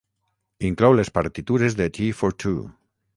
Inclou les partitures de "Tea for Two".